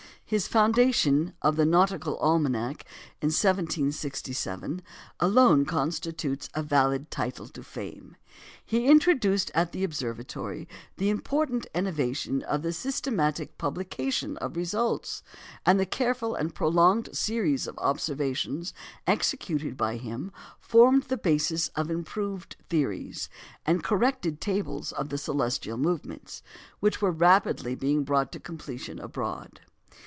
His foundation of the Nautical Almanac (in 1767) alone constitutes a valid title to fame; he introduced at the Observatory the important innovation of the systematic publication of results; and the careful and prolonged series of observations executed by him formed the basis of the improved theories, and corrected tables of the celestial movements, which were rapidly being brought to completion abroad.